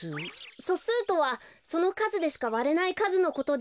そすうとはそのかずでしかわれないかずのことで。